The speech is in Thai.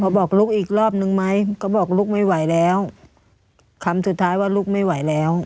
บอกลูกอีกรอบนึงไหมก็บอกลูกไม่ไหวแล้วคำสุดท้ายว่าลูกไม่ไหวแล้ว